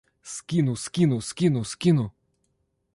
Скину, скину, скину, скину!